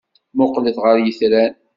Mmuqqlet ɣer yitran.